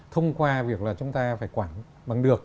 thông qua việc là chúng ta phải bằng được